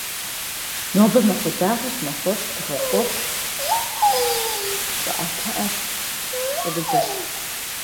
Сегодня мы становимся свидетелями новых случаев реализации народом этого неотъемлемого права.